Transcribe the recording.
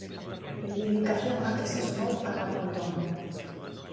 Reivindicación á que se sumou Ana Pontón.